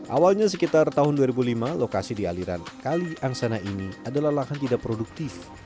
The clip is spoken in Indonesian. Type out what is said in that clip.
awalnya sekitar tahun dua ribu lima lokasi di aliran kali angsana ini adalah lahan tidak produktif